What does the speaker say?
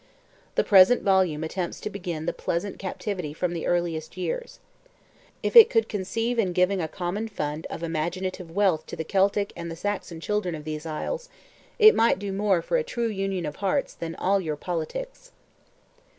The present volume attempts to begin the pleasant captivity from the earliest years. If it could succeed in giving a common fund of imaginative wealth to the Celtic and the Saxon children of these isles, it might do more for a true union of hearts than all your politics.